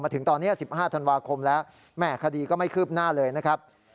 ถึงตอนนี้๑๕ธันวาคมแล้วแม่คดีก็ไม่คืบหน้าเลยนะครับ